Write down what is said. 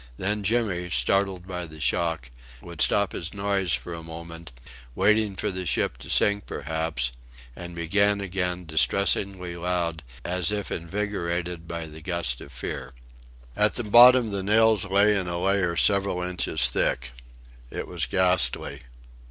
Then Jimmy, startled by the shock, would stop his noise for a moment waiting for the ship to sink, perhaps and began again, distressingly loud, as if invigorated by the gust of fear. At the bottom the nails lay in a layer several inches thick. It was ghastly.